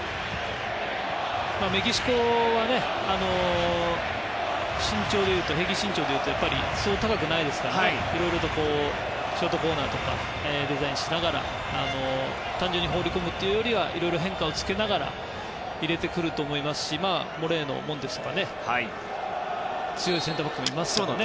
メキシコは平均身長でいうとやっぱり、そう高くないですからいろいろとショートコーナーとかデザインしながら単純に放り込むよりはいろいろ変化をつけながら入れてくると思いますしモレーノ、モンテスとか強いセンターバックもいるので。